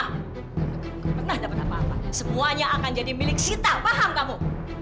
pernah dapat apa apa semuanya akan jadi milik sita paham kamu